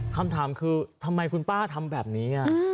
คำถามคือทำไมคุณป้าทำแบบนี้